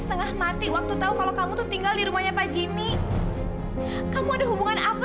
setengah mati waktu tahu kalau kamu tuh tinggal di rumahnya pak jimmy kamu ada hubungan apa